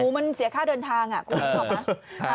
หมูมันเสียค่าเดินทางอ่ะคุณผู้ชม